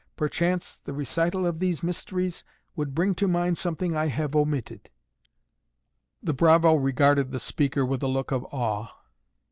Perchance the recital of these mysteries would bring to mind something I have omitted." The bravo regarded the speaker with a look of awe.